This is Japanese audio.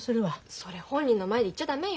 それ本人の前で言っちゃ駄目よ。